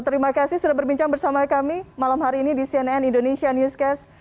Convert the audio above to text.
terima kasih sudah berbincang bersama kami malam hari ini di cnn indonesia newscast